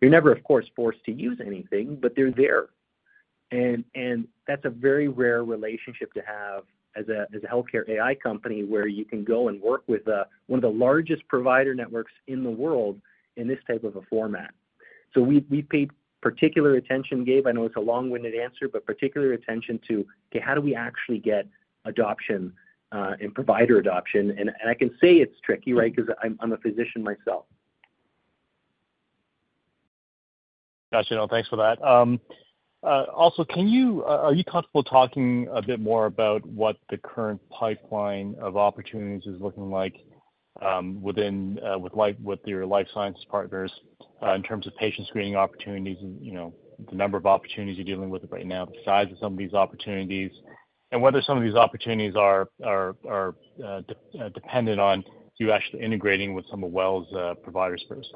You're never, of course, forced to use anything, but they're there. And that's a very rare relationship to have as a healthcare AI company where you can go and work with one of the largest provider networks in the world in this type of a format. We paid particular attention, Gabe - I know it's a long-winded answer - but particular attention to, okay, how do we actually get adoption and provider adoption? I can say it's tricky because I'm a physician myself. Gotcha. No, thanks for that. Also, are you comfortable talking a bit more about what the current pipeline of opportunities is looking like with your life sciences partners in terms of patient screening opportunities, the number of opportunities you're dealing with right now, the size of some of these opportunities, and whether some of these opportunities are dependent on you actually integrating with some of WELL's providers first?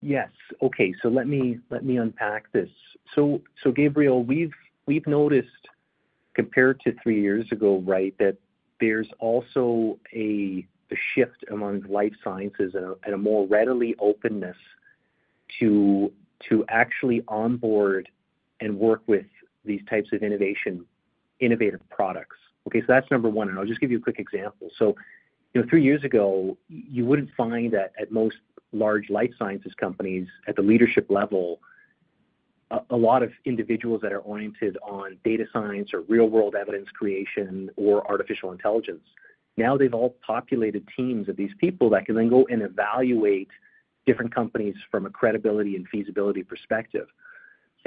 Yes. Okay. So let me unpack this. So Gabriel, we've noticed compared to three years ago that there's also a shift among life sciences and a more readily openness to actually onboard and work with these types of innovative products. Okay? So that's number one. And I'll just give you a quick example. So three years ago, you wouldn't find at most large life sciences companies at the leadership level a lot of individuals that are oriented on data science or real-world evidence creation or artificial intelligence. Now, they've all populated teams of these people that can then go and evaluate different companies from a credibility and feasibility perspective.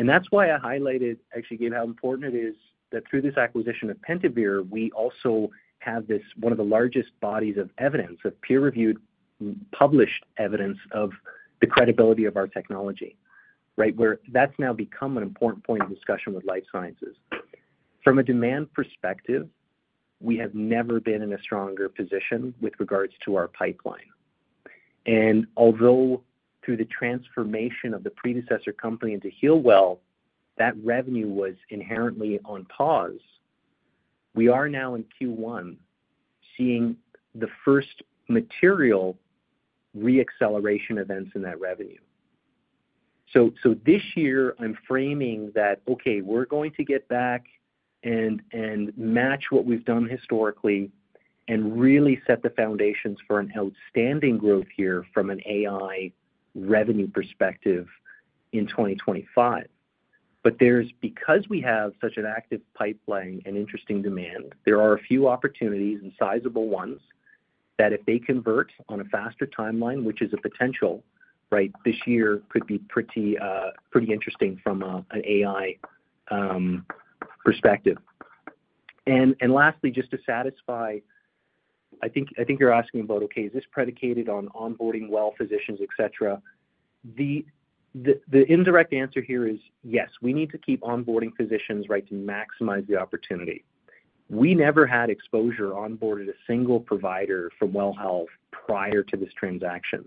That's why I highlighted, actually, Gabe, how important it is that through this acquisition of Pentavere, we also have one of the largest bodies of evidence, of peer-reviewed, published evidence of the credibility of our technology, where that's now become an important point of discussion with life sciences. From a demand perspective, we have never been in a stronger position with regards to our pipeline. And although through the transformation of the predecessor company into Healwell, that revenue was inherently on pause, we are now in Q1 seeing the first material re-acceleration events in that revenue. So this year, I'm framing that, okay, we're going to get back and match what we've done historically and really set the foundations for an outstanding growth here from an AI revenue perspective in 2025. But because we have such an active pipeline and interesting demand, there are a few opportunities and sizable ones that if they convert on a faster timeline, which is a potential, this year could be pretty interesting from an AI perspective. And lastly, just to satisfy I think you're asking about, okay, is this predicated on onboarding WELL physicians, etc.? The indirect answer here is yes. We need to keep onboarding physicians to maximize the opportunity. We never had exposure onboarded a single provider from WELL Health prior to this transaction.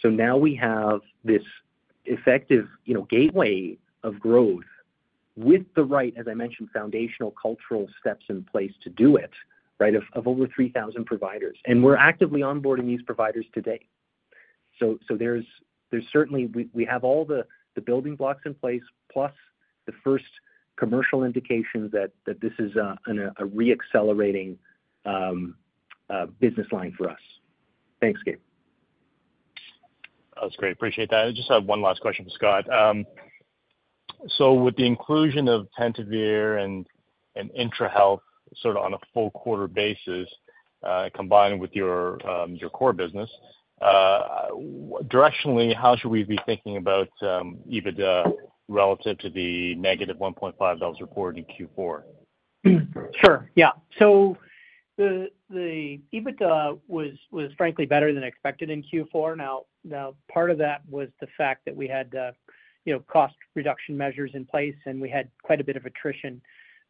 So now we have this effective gateway of growth with the right, as I mentioned, foundational cultural steps in place to do it of over 3,000 providers. And we're actively onboarding these providers today. So we have all the building blocks in place plus the first commercial indications that this is a re-accelerating business line for us. Thanks, Gabe. That was great. Appreciate that. I just have one last question for Scott. So with the inclusion of Pentavere and IntraHealth sort of on a full-quarter basis combined with your core business, directionally, how should we be thinking about EBITDA relative to the negative 1.5 million reported in Q4? Sure. Yeah. So the EBITDA was frankly better than expected in Q4. Now, part of that was the fact that we had cost-reduction measures in place, and we had quite a bit of attrition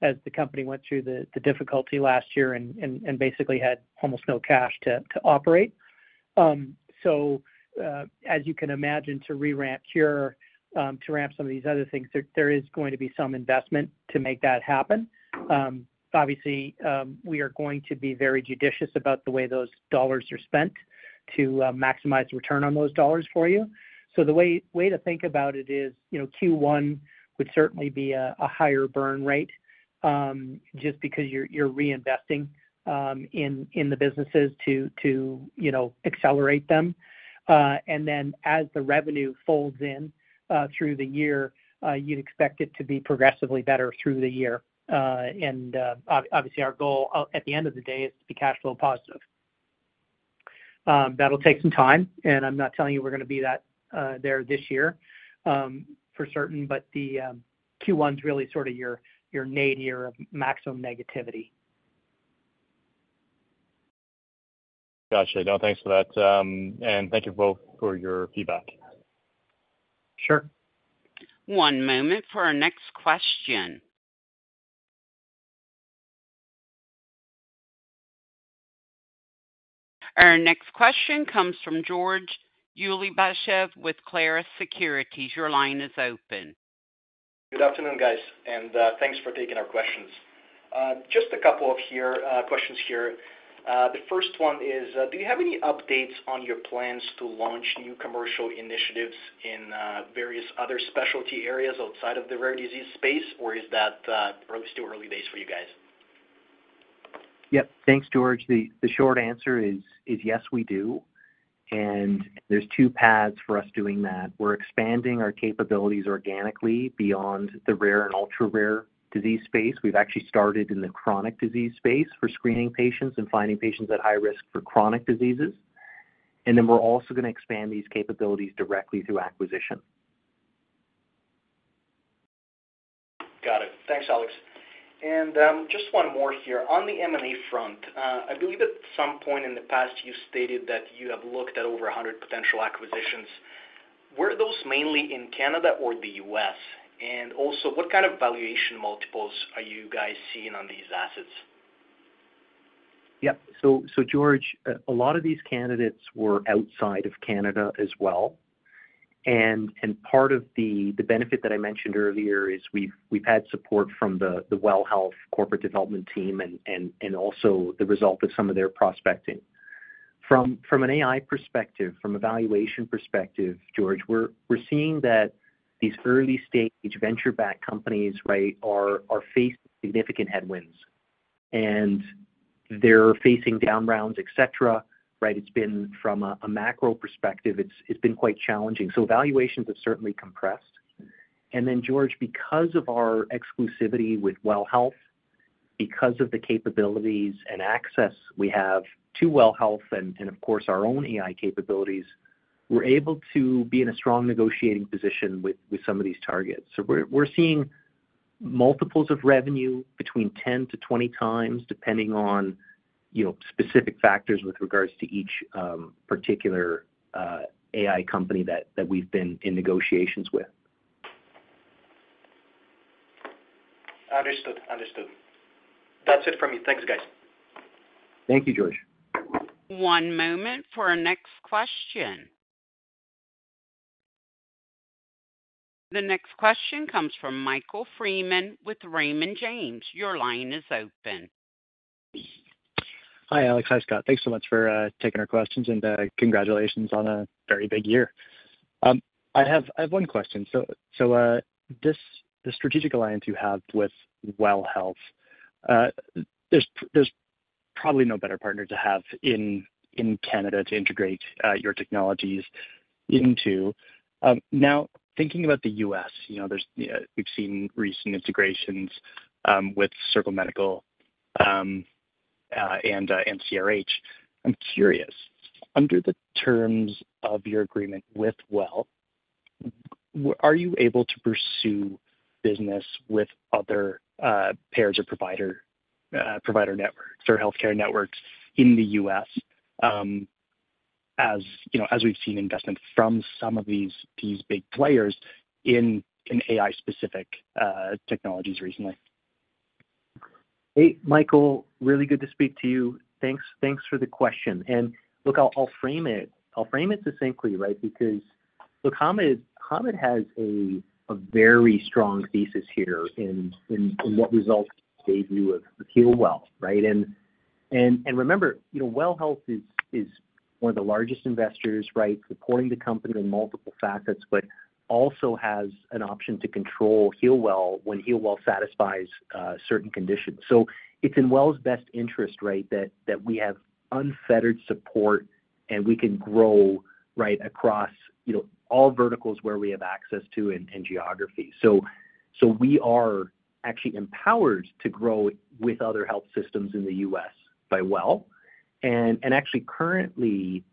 as the company went through the difficulty last year and basically had almost no cash to operate. So as you can imagine, to reramp Khure, to ramp some of these other things, there is going to be some investment to make that happen. Obviously, we are going to be very judicious about the way those dollars are spent to maximize return on those dollars for you. So the way to think about it is Q1 would certainly be a higher burn rate just because you're reinvesting in the businesses to accelerate them. And then as the revenue folds in through the year, you'd expect it to be progressively better through the year. Obviously, our goal at the end of the day is to be cash flow positive. That'll take some time, and I'm not telling you we're going to be there this year for certain. But Q1's really sort of your nadir year of maximum negativity. Gotcha. No, thanks for that. Thank you both for your feedback. Sure. One moment for our next question. Our next question comes from George Ulybyshev with Clarus Securities. Your line is open. Good afternoon, guys, and thanks for taking our questions. Just a couple of questions here. The first one is, do you have any updates on your plans to launch new commercial initiatives in various other specialty areas outside of the rare disease space, or is that still early days for you guys? Yep. Thanks, George. The short answer is yes, we do. There's two paths for us doing that. We're expanding our capabilities organically beyond the rare and ultra-rare disease space. We've actually started in the chronic disease space for screening patients and finding patients at high risk for chronic diseases. Then we're also going to expand these capabilities directly through acquisition. Got it. Thanks, Alex. And just one more here. On the M&A front, I believe at some point in the past, you stated that you have looked at over 100 potential acquisitions. Were those mainly in Canada or the U.S.? And also, what kind of valuation multiples are you guys seeing on these assets? Yep. So George, a lot of these candidates were outside of Canada as well. And part of the benefit that I mentioned earlier is we've had support from the WELL Health corporate development team and also the result of some of their prospecting. From an AI perspective, from valuation perspective, George, we're seeing that these early-stage venture-backed companies are facing significant headwinds, and they're facing down rounds, etc. It's been from a macro perspective, it's been quite challenging. So valuations have certainly compressed. And then, George, because of our exclusivity with WELL Health, because of the capabilities and access we have to WELL Health and, of course, our own AI capabilities, we're able to be in a strong negotiating position with some of these targets. We're seeing multiples of revenue between 10 to 20x depending on specific factors with regards to each particular AI company that we've been in negotiations with. Understood. Understood. That's it from me. Thanks, guys. Thank you, George. One moment for our next question. The next question comes from Michael Freeman with Raymond James. Your line is open. Hi, Alex. Hi, Scott. Thanks so much for taking our questions, and congratulations on a very big year. I have one question. So the strategic alliance you have with WELL Health, there's probably no better partner to have in Canada to integrate your technologies into. Now, thinking about the US, we've seen recent integrations with Circle Medical and CRH. I'm curious, under the terms of your agreement with WELL, are you able to pursue business with other payers of provider networks or healthcare networks in the U.S. as we've seen investment from some of these big players in AI-specific technologies recently? Hey, Michael. Really good to speak to you. Thanks for the question. And look, I'll frame it succinctly because, look, Hamed has a very strong thesis here in what results gave you with Healwell. And remember, WELL Health is one of the largest investors, supporting the company in multiple facets, but also has an option to control Healwell when Healwell satisfies certain conditions. So it's in WELL's best interest that we have unfettered support, and we can grow across all verticals where we have access to and geography. So we are actually empowered to grow with other health systems in the US by WELL. And actually, currently,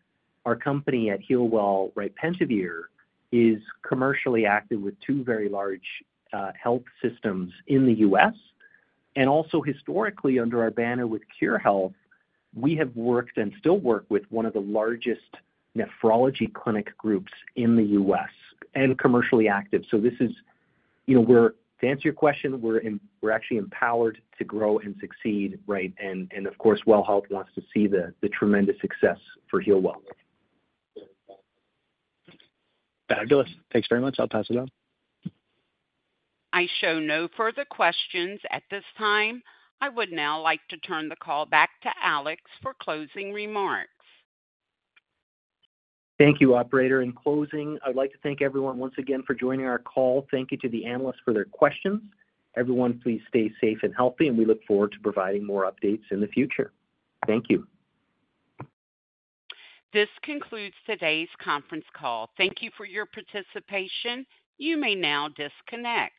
our company at Healwell, Pentavere, is commercially active with two very large health systems in the US. And also, historically, under our banner with Khure Health, we have worked and still work with one of the largest nephrology clinic groups in the US and commercially active. So to answer your question, we're actually empowered to grow and succeed. And of course, WELL Health wants to see the tremendous success for Healwell. Fabulous. Thanks very much. I'll pass it on. I show no further questions at this time. I would now like to turn the call back to Alex for closing remarks. Thank you, operator. In closing, I'd like to thank everyone once again for joining our call. Thank you to the analysts for their questions. Everyone, please stay safe and healthy, and we look forward to providing more updates in the future. Thank you. This concludes today's conference call. Thank you for your participation. You may now disconnect.